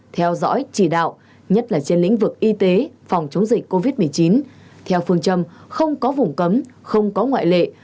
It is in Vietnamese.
theo dõi chỉ đạo nhất là trên lĩnh vực y tế phòng chống dịch covid một mươi chín theo phương châm không có vùng cấm không có ngoại lệ